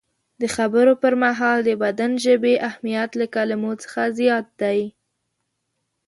د خبرو پر مهال د بدن ژبې اهمیت له کلمو څخه زیات دی.